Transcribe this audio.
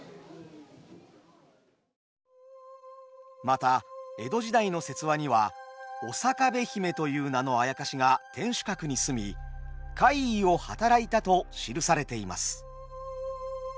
また江戸時代の説話にはおさかべ姫という名のあやかしが天守閣に棲み怪異をはたらいたと記されています。